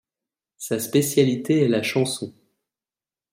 Sa spécialité est la chanson.